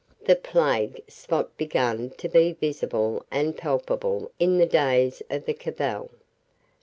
The plague spot began to be visible and palpable in the days of the Cabal.